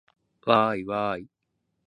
わーいわーい